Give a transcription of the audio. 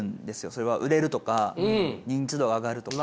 それは売れるとか認知度が上がるとか。